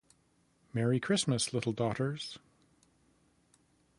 Merry Christmas, little daughters!